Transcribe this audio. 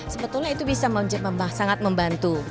sebetulnya itu bisa sangat membantu